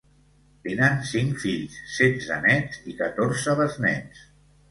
Tenen cinc fills, setze néts i catorze besnéts.